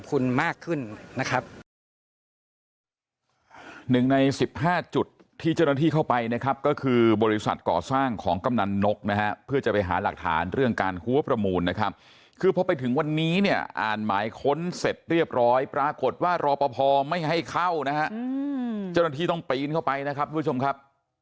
คุณมากขึ้นนะครับหนึ่งในสิบห้าจุดที่เจ้าหน้าที่เข้าไปนะครับก็คือบริษัทก่อสร้างของกำนันนกนะฮะเพื่อจะไปหาหลักฐานเรื่องการหัวประมูลนะครับคือพอไปถึงวันนี้เนี่ยอ่านหมายค้นเสร็จเรียบร้อยปรากฏว่ารอปภไม่ให้เข้านะฮะเจ้าหน้าที่ต้องปีนเข้าไปนะครับทุกผู้ชมครับ